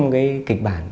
bốn năm cái kịch bản